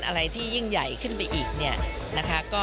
อะไรที่ยิ่งใหญ่ขึ้นไปอีก